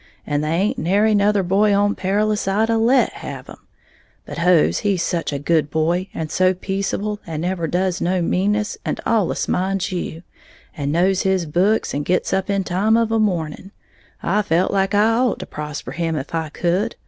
And thaint nary nother boy on Perilous I'd a let have 'em; but Hose he's such a good boy, and so peaceable, and never does no meanness, and allus minds you, and knows his books, and gits up in time of a morning, I felt like I ought to prosper him if I could.